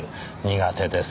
苦手です。